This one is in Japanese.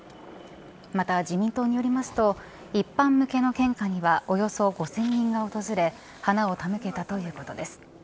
また、自民党よりますと一般向けの献花にはおよそ５０００人が訪れ花を手向けたということです。